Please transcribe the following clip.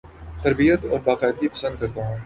ترتیب اور باقاعدگی پسند کرتا ہوں